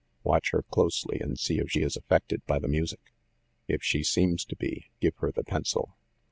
Watch her closely, and see if she is affected by the music. If she seems to be, give her the pencil."